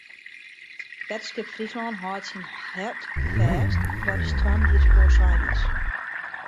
Wetterskip Fryslân hâldt syn hart fêst foar de stoarm dy't foarsein is.